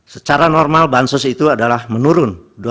secara normal bansos itu adalah menurun